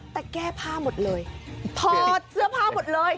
แต่แก้ผ้าหมดเลยถอดเสื้อผ้าหมดเลย